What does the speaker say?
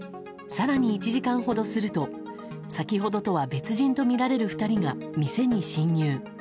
更に１時間ほどすると先ほどとは別人とみられる２人が店に侵入。